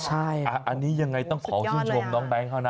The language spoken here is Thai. อันนี้ยังไงต้องขอชื่นชมน้องแบงค์เขานะ